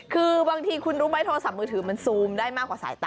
คือบางทีคุณรู้ไหมโทรศัพท์มือถือมันซูมได้มากกว่าสายตา